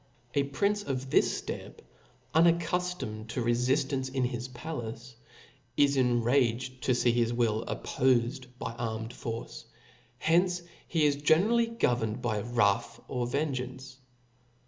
. A prince of this ftamp, unaccuftomed to refift ance in his palace, is enraged to fee his will op pofed by afmed force ; hence he is generally go verned by wrath or vengeance.